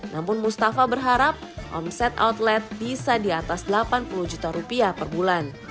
namun mustafa berharap omset outlet bisa di atas delapan puluh juta rupiah per bulan